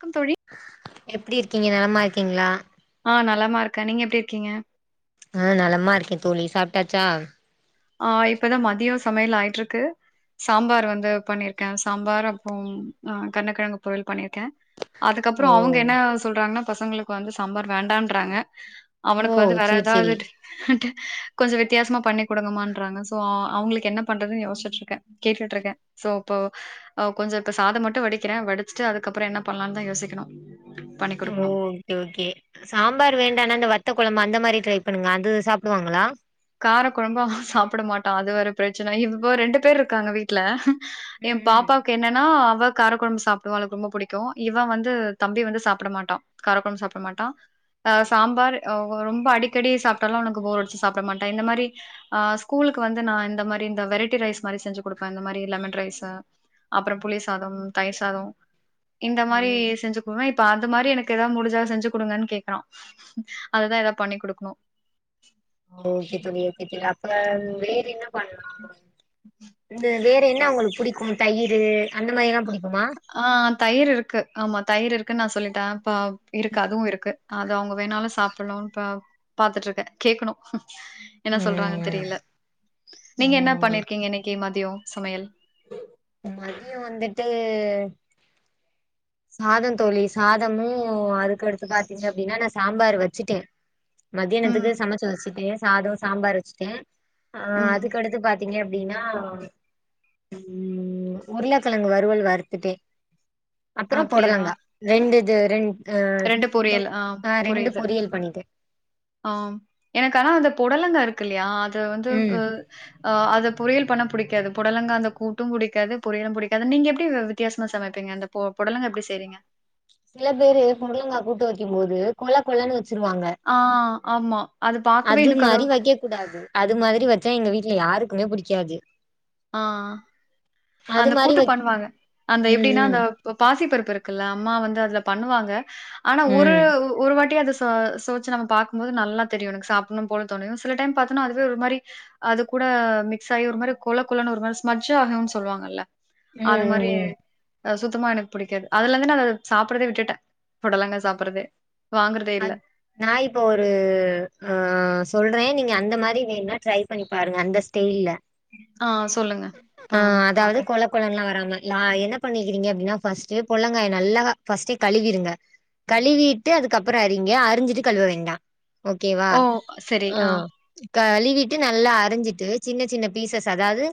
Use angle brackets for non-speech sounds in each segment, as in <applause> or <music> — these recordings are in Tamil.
க்கம் தோழி எப்டி இருக்கீங்க நலமா இருக்கீங்களா ஆ நலமா இருக்க நீங்க எப்டி இருக்கீங்க ஆ நலமா இருக்கே தோழி சாப்ட்டாச்சா ஆ இப்பதா மதியோ சமையல் ஆயிட்டுருக்கு சாம்பார் வந்து பண்ணிருக்கே சாம்பார் அப்புறம் அ கர்னக்கெழங்கு பொறியல் பண்ணிருக்கே அதுக்கப்புறோ ஓ அவுங்க என்ன சொல்றாங்னா பசங்களுக்கு வந்து சாம்பார் வேண்டான்றாங்க ஓ அவனுக்கு வந்து வேற சேரி ஏதாவது சேரி கொஞ்சோ வித்யாசமா பண்ணி குடுங்கமான்றாங்க சோ அவுங்களுக்கு என்ன பண்றதுன் யோச்சிட்டு இருக்கே கேட்டுட்டு இருக்கே சோ இப்போ கொஞ்சோ இப்ப சாதோ மட்டு வடிக்கிறே வடிச்சிட்டு அதுக்கப்புற என்ன பண்ணலான் தா யோசிக்கணு ஓ ஓகே ஓகே சாம்பார் வேண்டானா இந்த வத்த கொழம்பு அந் அந்த மாரி ட்ரை பண்ணுங்க அது சாப்டுவாங்களா கார குழம்பு சாப்ட மாட்டா அது ஒரு பிரச்சன இப்போ ரெண்டு பேர் இருக்காங்க வீட்ல எ ம் ம் பாப்பாவுக்கு என்னன்னா தா காரக்குழம்பு சாப்டுவா இல்ல எனக்கு ரொம்ப புடிக்கு இவ வந்து தம்பி வந்து சாப்ட மாட்டா காரக் கொழம்பு சாப்ட மாட்டா ஆ சாம்பார் ரொம்ப அடிக்கடி சாப்ட்டால உனக்கு போர் அடிச்சி சா ப மாட்டே இந்த மாரி ஆ ஸ்கூலுக்கு வந்து நா இந்த மாரி இந்த வெரைட்டி ரைஸ் மாரி நெறைய செஞ்சி குடுப்பே இந்த மாரி லெமன் ரைஸு அப்புறோ புளி சாதம் தயிர் சாதம் இந்த ம் மாரி ம் செஞ்சுக்குவே இப்ப அது மாரி எனக்கு ஏதாவது முடிஞ்சா செஞ்சு குடுங்கன் கேக்கறா அது தா ஏதாவது பண்ணி குடுக்கணு <unintelligible> ஆ வேறு என்ன பண்ணலா இந்த வேற என்ன அவுங்களுக்கு புடிக்கு தயிரு அந்த மாரி எல்லா புடிக் ஆ தயிர் இருக்கு ஆமா தயிர் இருக் நா சொல்லிட்டே இப்ப இருக்கு அதுவு இருக்கு அவுங்க வேணாலு சாப்பிலா <unintelligible> பாத்துட்ருக்கே கேக்கணு என்ன சொல்றாங்கன்னு ம் தெரியல நீங்க என்ன ம் பண்ணிருக்கீங்க இன்னைக்கு மதியோ சமையல் மதியோ வந்துட்டு சாதோ தோழி சாதமு அதுக்கடுத்து பாத்தீங்க அப்டின்னா நா சாம்பார் வச்சுட்டே ம், மதியானத்துக்கு சமைச்சு வச்சிட்டே சாதோ சாம்பார் வச்சுட்டே ஆ, ம். அதுக்கடுத்து பாத்தீங்க அப் அப்படின்னா ம் உருளக்கிழங்கு வருவல் வறுத்துட்டே அப்றோ பொடலங்கா ரெண்டு இத் இது ரெண்ட் ரெண்டு பொரியல் ஆ புரியுது பொரியல் பண்ணிட்டே ஆ எனக்கு ஆனா அந்த பொடலங்கா இருக்கு க்கில்யாத் இத வந்து ம் <unintelligible> ஆ, அது பொரியல் பண்ண பிடிக்காது பொடலங்க அந்த கூட்டும் பிடிக்காது பொரியலு பிடிக்காது நீங்க எப்படி வி-வித்தியாசமா சமைப்பீங்க அந்த பொ பொடலங்க எப்டி செய்றீங்க சில பேரு பொட்லங்கா கூப்பட்டு வைக்கும் போது கொழ கொழன்னு வச் ச்சிருவாங்க ஆ ஆமா. பாக்கவே அது எனக்கு மாரி வைக்க கூடாது அது மாதிரி வச்சா எங்க வீட்டுல யாருக் <unintelligible> பிடிக்காது ஆ, அந்த மாரி கூட்டு வை பண்ணுவாங்க அந்த எப்டின்னா ம் அந்த பாசிப்பருப்பு இருக் க்குல்ல அம்மா வந்து அதுல பண்ணுவாங்க ஆனா ம் ஒரு ம் ஒரு வாட்டி அது ஸ் தோ சோச்சு நம்ம பாக்கும்போது நல்லா தெரியு எனக்கு சாப்ண்ணு போல தோணு சில டைம் பாத்தோனா அதுவே ஒரு மாரி அது கூட மிக்ஸ் ஆயி ஒரு மாரிப் கொழ குழன்னு ஒரு மாரி ஸ்ஜ்ஜ ஆகும்னு சொல்லுவாங்கல்ல அது ம் ம் மாதிரி ம் அ சுத்தமா எனக்கு பிடிக்காது அதுலருந்து நா அத சாப்பிடுறதே விட்டுட்டே புடலங்க சாப்பிட்றதே அத் நா இப்ப ஒரு அ சொல் அப்றோ என் நீங்க அந்த மாரி வேணுனா ட்ரை பண்ணி பாருங்க அந்த ஸ்டைல்ல ஆ சொல்லுங்க பம் பாக்குறே லாம லா என்ன பண்ணிக்கிறீங்க அப்டின்னா ஃபர்ஸ்டே பொல்ங்காய்ய நல்லா ஃபர்ஸ்ட்டே கழுவிடுங்க கழுவிட்டே அதுக் கப்புறோ அரிங்க அரிஞ்சிட்டு கழுவ வேண்டா ஓகேவா ஓ சரி ஆ கழுவிட்டு நல்லா அரிஞ்சிட்டு சின்ன சின்ன பீசஸ் அதாவது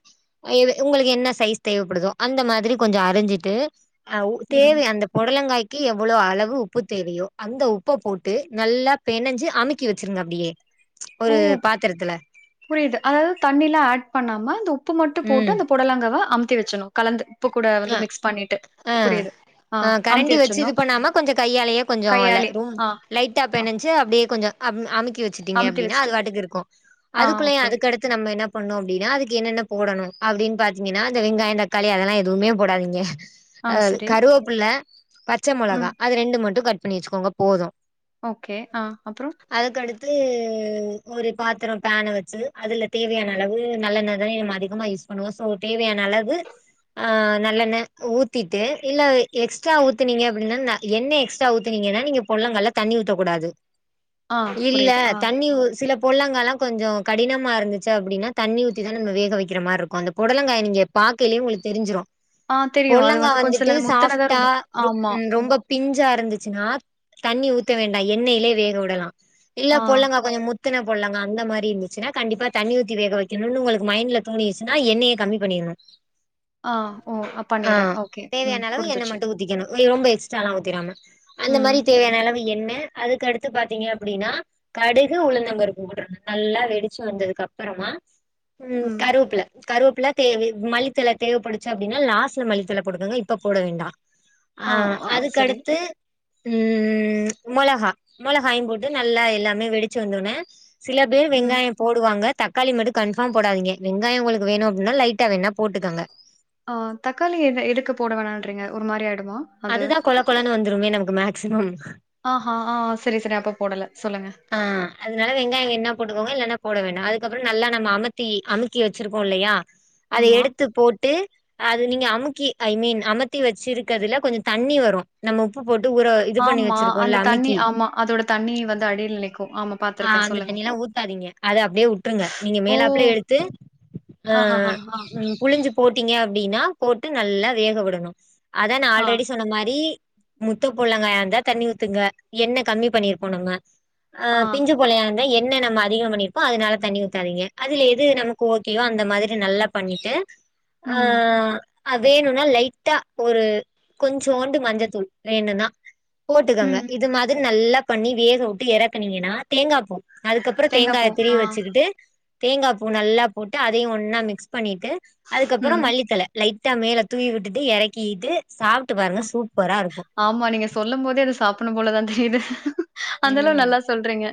எது உங்களுக்கு என்ன சைஸ் தேவைப்படுதோ அந்த மாதிரி கொஞ்சோ அரிஞ்சிட்டு அ வு ம். தேவை அந்த புடலங்காய்க் க்கு எவ்வளோ அளவு உப்பு தேவையோ அந்த உப்ப போட்டு நல்லா பெனஞ்சு அமுக்கி வச்சிருங்க அப்டியே ஓ ஒரு பாத்திரத்துல புரியிது அதாவது தண்ணில்லா ஆட் பண்ணாமா அந்த உப்பு மட்டு போட்டு அந்த புடலங்காவ அம் த்தி வெச்சர்ணு கலந்து உப்பு கூட வந்து மிக்ஸ் பண்ணிட்டு. ஆ ஆ புரியுது. ஆ அமுத்தி கரண்டி வச்சு இது வச்சுடணும். பண்ணாம கொஞ்ச கையாலயே கொஞ்சோ இல்ல கையாலே. ரூம் ஆ லைட்டா அ பெனஞ்சு அப்படியே கொஞ்ச அம் அமுக்கி வச்சுட்டீங்க அமுத்தி அப்டின்னா வச்சுட்டு. அது வாட்டுக்கு இருக்கு ஆ அதுக்குள்ளயே ஓகே. அதுக்கடுத்து நம்ம என்ன பண்ணோ அப்டினா அதுக்கு என்னென்ன போடணு அப்டின்னு பாத்தீங்கன்னா அந்த வெங்காய தக்காளி அதெல்லா எதுவுமே போடாதீங்க ஆ அஹ சரி. கருவேப்புள்ள பச்ச மொளகா ம். அது ரெண்டு மட்டு கட்டு பண்ணி வச்சுக்கோங்க போது ஓகே ஆஹ் அப்புறோ து ஒரு பாத்திரோ பேன வச்சு அதுல தேவையான அளவு நல்லெண்ண தானே நம்ம அதிகமா யூஸ் பண்ணுவோ சோ தேவையான அளவு ஆஹ் நல்லெண்ண ஊத்திட்டு இல்ல எக்ஸ்ட்ரா ஊத்தனீங்க அப்படின்னா எண்ண எக்ஸ்ட்ரா ஊத்துனீங்கன்னா நீங்க பொல்லங்கால்ல தண்ணி ஊத்தக்க கூடாது ஆ இல்ல புரியுது. ஆ தண்ணி சில பொள்ளங்காலா கொஞ்சோ கடினமா இருந்துச்சு அப்படின்னா தண்ணி ஊத்தி தா நம்ம வேக வக்கிற மாரி இருக்கு அந்த புடலங்காய் நீங்க பாக்கைலயே உங்களுக்கு தெரிஞ்சிரு ஆ தெரியும். அது பொள்ளங்கா வந்து கொஞ்சம் வந்துட்டு சிலது முத்துனதா சாஃப்டா ரொம் ரொ ஆமா. ரொம்ப பிஞ்சா இருந்துச்சுன்னா தண்ணி ஊத்த வேண்டா எண்ணெயிலே வேகவுடலா இல்ல ஆ பொல்லங்க கொஞ்ச முத் துன பொல்லங்கா அந்த மாரி இருந்துச்சுா கண்டிப்ப தண்ணி ஊத்தி வேக வெக்கணு உங்களுக்கு மைண்ட்ல தோணிச்சுன்னா எண்ணெய கம்மி பண்ணிறணு ஆ ஓ பண்ணிர்றேன். ஆஹ் ஓகே. ம் தேவையான அளவு எண்ண புரிஞ்சிருச்சு. மட்டு ஊத்திக்கணு ரொம்ப எக்ஸ்ட் எல்லா ஊத்திராம அந்த ம் மாரி தேவையான அளவு எண்ண அதுக்கடுத்து பாத்தீங்க அப்டின்னா கடுகு உளுந்தம்பருப்பு போட்ருறங்க நல்லா வெடிச்சு வந்ததுக்கப்புறமா உம் ம். கருவப்புல கருவேப்புலா தேவை மல்லித்தழ தேவப்படுச்சு அப்டின்னா லாஸ்ல மல்லித்தழ போட்டுக்கங்க இப்ப போட வேண்டா ஆ அஹ் ஆ சரி. அதுக்கடுத்து ம் மிளகாய் மொளகாயு போட்டு நல்லா எல்லாமே வெடிச்சு வந்தொடனே சில பேர் ம். வெங்காய போடுவாங்க தக் களி மட்டு கன்ஃபார் போடதிங்க வெங்காய உங்களுக்கு வேணு அப்படின்னா லைட்டாக வேணா போட்டுக்கங்க ஆஹ் தக்காளி எடு எடுக்கு போட வேணான்றீங்க ஒரு மாரி ஆ அதுதா கொல கொலனு வந்துமே நமக்கு மேக்சிமம் ஆஹா! ஆ சரி, சரி. அப்ப போடல. சொல்லுங்க. ஆஹ் அதனால வெங்காயோ வேணா போட்டுக்கோங்க இல்லான‌ போட வேண் அதுக்கப்புறோ நல்லா நம்ம அமத்தி அமுக்கி வச்சிருக்கோ இல்லையா அத ஆமா. எடுத்து போட்டு அது நீங்க அமுக்கி ஐ மீன் அமைத்தி வச்சிருக்கதுல கொஞ்சம் தண்ணி வரும் நம்ம உப்ப போட்டு ஊற இது பண்ணி ஆமா. அந்த வச்சிருக்கோம்ல்ல தண்ணி அமைக்கி ஆமா. அதோட தண்ணி வந்து அடியில நிக்கும். ஆமா ஆ பார்த்துருக்கேன். அந்த சொல்லுங்க. தண்ணிய எல்லாம் ஊத்தாதீங்க அது அப்படியே உட்டுருங்க நீங்க ஓ! மேலாப்புல எடுத்து ஆ ஆஹஹா! ஆ, புழிஞ்சு போட்டீங்க அப்படின்னா போட்டு நல்லா வேக உடணும் அதான் நான் ஆல்ரெடி ஆ மாரி முத்த புள்ளங்காய இருந்தா தண்ணி ஊத்துங்க எண்ணெ கம்மி பண்ணிருக்கோம் நம்ம ஆ பிஞ்சு பொழையாந்த என் என்ன நம்ம அதிக பணி அப்போ அதனால தண்ணி ஊத்தாதீங்க அதுல எது நமக்கு ஓகே ஓ அந்த மாரி நல்லா பண்ணிட்டு ம், ஆஹ் ஆ வேணும்னா லைட்டா ஒரு கொஞ்சோண்டு மஞ்சத்தூள் வேணுனா போட்டுக்காங்க ம். இது மாதிரி நல்லா பண்ணி வேக உட்டு இறக்குனீங்கன்னா தேங்காய் பூ அதுக்கப்புறம் தேங்காய் தேங்காய பூ. திர ஆ, வச்சுக்கிட்டு தேங்காய் பூ நல்லா போட்டு அதையும் ஒண்ணா மிக்ஸ் பண்ணிட்டு அதுக்கப்புறம் ம். மல்லித்தலை லைட் ட்ட மேலே தூவிி உட்டுட்டு இறக்கிட்டு ஆமா நீங்க சொல்லும் போதே அத சாப்பனும் போலதான் தெரியுது <inaudible> அந்த அளவு ம் நல்லா சொல்றீங்க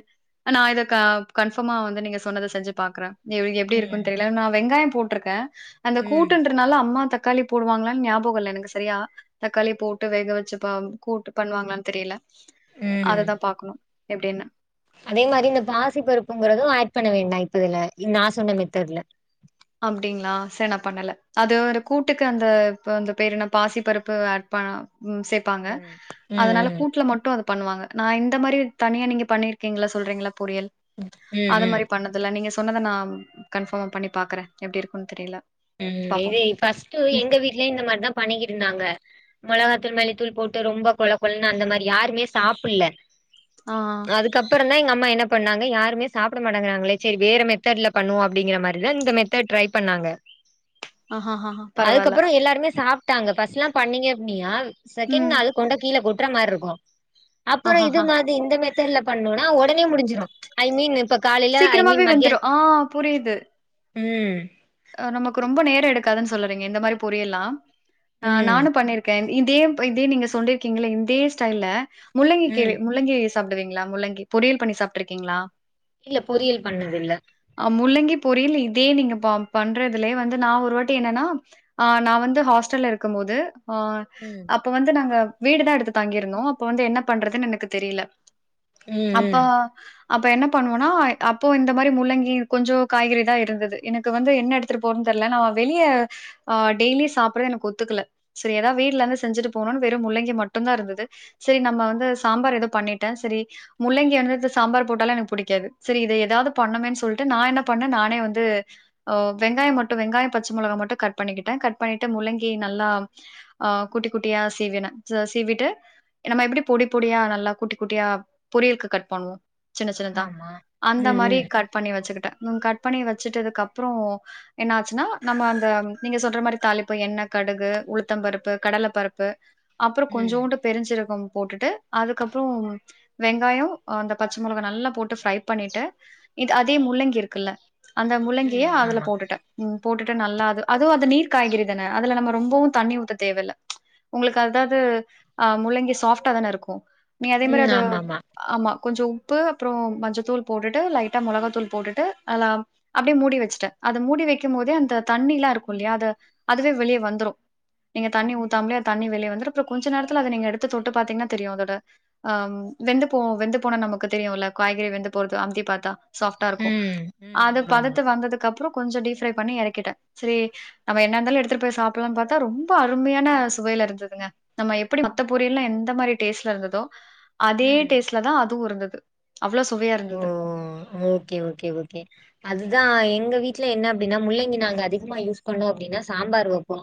நான் இதை க கன்ஃபர்மா வந்து நீங்க சொன்னதை செஞ்சு பாக்குறேன் எ இவருக்கு எப்டி இருக்கும் ம் தெரியல நான் வெங்காயம் போட்ருக்கேன் அந்த ம் கூட்டுன்றனால அம்மா தக்க தக்காளி போடுவாங்களான்னு ஞாபகம்ல்லலை எனக்கு சரியா தக்காளி போட்டு வேக வச்சு கூட்டு பண்ணுவாங்களனு தெரியல ம் அததான் பாக்கணும் எப்படின்ணு அதே மாரி இந்த பாசி பருப்புங்கிறதும் ஆட் பண்ண வேண்டாம் இப்பதுல நான் சொன்ன மெத்தர்ல அப்படிங்களா சரி என்ன பண்ணல அது ஒரு கூட்டுக்கு அந்த இ அந்த பேரு என்ன பாசி பருப்பு ஆட் பண்ண ம் சேர்ப்பாங்க ம் அதனால ம் ம் கூட்ல மட்டும் அ பண்ணுவாங்க நான் இந்த மாதிரி தனியா நீங்க பண்ணிருக்கீங்களா சொல்றீங்களா புரியல் ம் அதது ம் மாதிரி பண்ணதல நீங்க சொன்னதை நான் கன்ஃபர்மா பண்ணி பாக்குறேன் எப்படி இருக்கும்ன்னு தெரியல உம் பாப்போம். இது ஃபஸ்டு நெ எங்க வீட்லயும் இந்த மாரிதா பண்ணிக்கிட்ருந்தாங்க மொளகாத் தூள்மல்லித்தூள் போட்டு ரொம்ப கொழ கொழன்னு அந்த மாரி யாருமே சாப்டல ஆஹ்ஹ் அப்றோந்தா எங்கம்மா என்ன பண்ணாங்க யாருமே சாப்பிடமாட்டேங்கறாங்களே ச்சேரி வேற மெத்தெட்ல பண்ணுவோ அப்டிங்கிறமாரிதா இந்த மெத்தெட் ட்ரை பண்ணாங்க ஆஹஹஹா பரவால்ல. அதுக்கப்றோம் எல்லாருமே சாப்ட் நாங்க பர்ஸ்ட்ல பண்ணீங்க அப்டினா செகண்ட் ம். நாலு கொண்டய கீழ கொட் ற மாரி இருக்கு அப்றோ இது ஆஹஹா. மாதிரி இந்த மெத்த இதுல பண்ணோனா உடனே முடுஞ்சிடும் ஐ மீன் இப்ப காலைல ஐ சீக்கிரமாவே வெந்துரும் ஆஹ் புரியுது உம் ஹ நமக்கு ரொம்ப நேரம் எடுக்காதுன்னு சொல்லறீங்க இந்த மாரி பொரியெல்லாம் ஆஹ் ம் நானு பண்ணிருக்கே இதே எம் இதே நீங்க சொல்லிருக்கீங்கல்ல இதே ஸ்டைல்ல முள்ளங்கி ம் கீரை முள்ளங்கி சாப்பிடுவீங்களா முள்ளங்கி பொரியல் பண்ணி சாப்பிட்ருக்கீங்களா இல்ல பொரியல் பண்ணதில்ல முள்ளங்கி பொரியில் இதே நீங்க பா பண்றதுலயே வந்து நா ஒரு வாட்டி என்னன்னா ஆஹ் நா வந்து ஹாஸ்டல்ல இருக்கும் போது ஆஹ ம் அப்ப வந்து நாங்க வீடுதா எடுத்து தங்கிருந்தோ அப்ப வந்து என்ன பண்றதுன்னு எனக்கு தெரியல ம் அப்ப ம் அப்ப என்ன பண்ணுவோனா அப்போ இந்த மாரி முள்ளங்கி கொஞ்சோ காய்கறிதா இருந்தது எனக்கு அப்போ வந்து என்ன எடுத்ட்டு போறதுன்னு தெரியல நம்ம வெளியே ஆஹ் டெய்லி சாப்ட்றது எனக்கு ஒத்துக்கல சரி அத வீட்ல இருந்து செஞ்சுட்டு போனும்னு வெறும் முள்ளங்கி மட்டுந்தா இருந்தது சரி நம்ம வந்து சாம்பார் ஏதோ பண்ணிட்டே சரி முள்ளங்கியால வெச்ச சாம்பார் போட்டாலு எனக்கு புடிக்காது சரி இத ஏதாவது பண்ணுமே சொல்ட்டு நா என்ன பண்ணே நானே வந்து ஓ வெங்காய மட்டு வெங்காய பச்ச மொளகா மட்டு கட் பண்ணிக்கிட்டே கட் பண்ணிட்டு முள்ளங்கி நல்லா ஆ குட்டி குட்டியா சீவினே ச சீவிட்டு நம்ம எப்டி பொடி பொடியா நல்லா குட்டி குட்டியா பொரியல்க்கு கட் பண்ணுவோ சின்ன சின்னதா ஆமா அந்த ம் மாரி ம் கட் பண்ணி வச்சுக்கிட்ட ம் கட் பண்ணி வெச்சிட்டதுக்கு அப் அப்றோ என்ன ஆச்சினா நம்ம அந்த நீங்க சொல்ற மாரி தாளிப்பு எண்ணெ கடுகு உளுத்தம் பருப்பு கடல பருப்பு அப்றோ ம் கொஞ்சோண்டு பெருஞ்சீரகம் போட்டுட்டு அதுக்கப்றோ வெங்காயோ அந்த பச்ச மொளகா நல்லா போட்டு ஃப்ரை பண்ணிட்டு இது அதே முள்ளங்கி இருக்குல்ல அந்த ங்கிய ம் அதுல ஆமா போட்டுட்ட ம் போட்டுட்டு நல்லா அது அ அது நீர் காய்கறிதான அதுல நம்ம ரொம்பவு தண்ணி ஊத்த தேவ்வல உங்களுக்கு அதாவது அஹ் முள்ளங்கி சாஃப்டா தானே இருக்கு நீ அதே மாரி ம் அது ஆமாமா ஆமா கொஞ்சோ உப்பு அப்புறோ மஞ்சத்தூள் போட்டுட்டு லைட்டா மொளக தூள் போட்டுட்டு நல்லா அப்டியே மூடி வச்சு சிட்ட அத மூடி வெக்கும் போதே அந்த தண்ணி எல்லாம் இருக்கு இல்லையா அது அதுவே வெளியே வந்துரும் நீங்க தண்ணி ஊத்தாமலே அது தண்ணி வெளியே வந்துரு அப்புறோ கொஞ்ச நேரத்துல அத நீங்க எடுத்து தொட்டு பாத்தீங்கன்னா தெரியு அதோட ஆஹ் வெந்து வெ வெந்து போன நமக்கு தெரியும்ல காய்கறி வெந்து போறது அம்திப் பாத்தா சாஃப்டா இருக்கு ம் ம் அது ஆமாமா பதத்து வந்ததுக்கு அப்புறோ கொஞ்சோ டீப் ஃப்ரை பண்ணி எறக்கிட்டே செரி நம்ம என்ன இருந்தாலு எடுத்துட்டு போய் சாப்பிடலாம்னு பாத்தா ரொம்ப அருமையான சுவையில இருந்ததுங்க நம்ம எப்டி மத்த பொரிய எல்லா எந்த மாரி டேஸ்ட்ல இருந்ததோ அதே ம் டேஸ்ட்ல தா அ து இருந்தது அவ்ளோ சுவையா ஓ இருந்தது. ஓகே ஓகே ஓகே அதுதா எங்க வீட் வீட்ல என்ன அப்டின்னா முள்ளங்கி நாங்க அதிகமா யூஸ் பண்ணோ அப்டின்னா சாம்பார் வைப்போ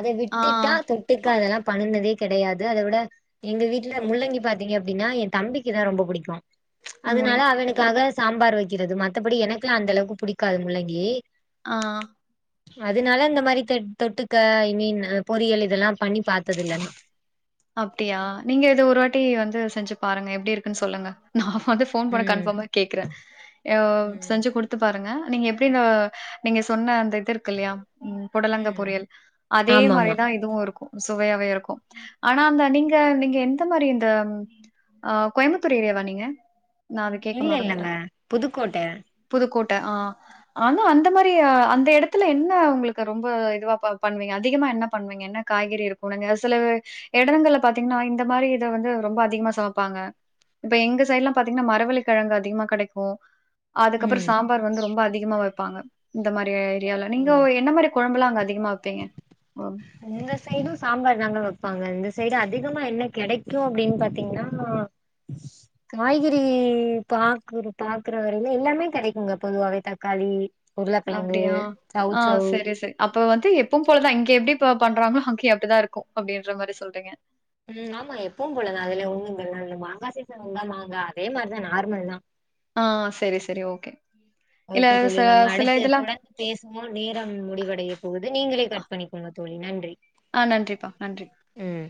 அத ஆ விட்டுட்டா தொட்டுக்கா அதெல்லா பண்ணுனதே கெடையாது அத விட எங்க வீட்டுல முள்ளங்கி பாத்தீங்க அப்டின்னா எ தம்பிக்குதா ரொம்ப புடிக்கு அதனால முள்ளே அவனுக்காக சாம்பார் வெக்கிறது மத்தபடி எனக்குல்லா அந்த அளவுக்கு புடிக்காது முள்ளங்கி ஆஹ் அதனால இந்த மாதிரி க தொட்டுக்க ஐ மீன் பொரியல் இதெல்லா பண்ணி பாத்தது இல்ல நா அப்டியா நீங்க ஏது ஒரு வாட்டி வந்து செஞ்சு பாருங்க எப்டி இருக்குன்னு சொல்லுங்க நா வந்து ஃபோன் பண்ண ம் கன்பமா கேக்குறே அ ம் செஞ்சு குடுத்து பாருங்க நீங்க எப்டி இந்த நீங்க சொன்ன அந்த இது இருக்கு இல்லையா உம் புடலங்க ம் பொரியல் அதே ஆமாமா மாரிதா இதுவு இருக்கு சுவையாவே இருக்கு ஆனா அந்த நீங்க நீங்க எந்த மாரி இந்த அஹ கோயம்புத்தூர் ஏரியாவா நீங்க நான் அத கேட்க இல்ல இல்லங்க புதுக்கோட்ட ட்ட அ ஆனா அந்த மாரி அந்த எடத்துல என்ன உங்களுக்கு ரொம்ப இதுவா பண் பண்ணுவீங்க அதிகமா என்ன பண்ணுவீங்க என்ன காய்கறி இருக்கு உனங்க சில எடங்கள்ல பாத்தீங்கன்னா இந்த மாதிரி இத வந்து ரொம்ப அதிகமா சமைப்பாங்க இப்ப எங்க சைடு் எல்லா பாத்தீங்கன்னா மரவள்ள கிழங்கு அதிகமா கெடைக்கு அதுக்கப்புற ம் சாம்பார் வந்து ரொம்ப அதிகமா வை ப்பாங்க இந்த மாரி டியுல்ல நீங்க ம் என்ன மாரி கொழம்புலா அங்க அதிகமா வெப்பீங்க இந்த சைடு சாம்பார் ங்க வெப்பாங்க இந்த சைடு அதிகமா என்ன கெடைக்கு அப்டின்னு பாத்தீங்கன்னா காய்கறி பாக்கு பாக்குற வரையில எல்லாமே கெடைக்குங்க பொதுவாவே தக்காளி உருளக்கெழங்கு அப்டியா ஆஹ் சௌசௌ செரி செரி அப்ப வந்து எப்போ போலதா இங்க எப்டி இப்ப பண்றங்களோ அங்கயு அப்டிதா இருக்கு அப்டின்ற மாரி சொல்றீங்க உம் ஆமா எப்பவும் போலதா அதுல ஒண்ணுங்கல்லா இல்ல மாங்கா சீசன் உங்கா மாங்க அதே மாதிரிதா நார்மல்தா ஆஹ் செரி செரி ஓகே இல்ல ஓகே ச தோழி நம்ம சில அடுத்து இதெல்லாம் தொடர்ந்து பேசுவோ நேரம் முடிவடைய போகுது நீங்களே கட் பண்ணிக்கோங்க தோழி நன்றி ஆஹ் நன்றிப்பா நன்றி ம்